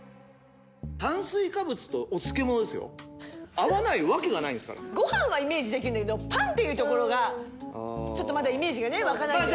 炭水化物とお漬物ですよご飯はイメージできるんだけどパンっていうところがちょっとまだイメージがね湧かないんだよね